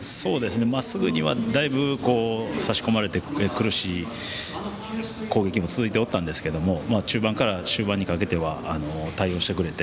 すぐには、さしこまれてだいぶ苦しい攻撃も続いておったんですが中盤から終盤にかけては対応してくれて